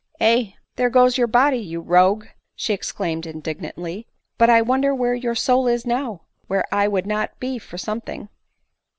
" Aye, there goes your body, you rogue P' she ex claimed indignandy, "but I wonder where your. soul itf now ? where 1 would not be for something."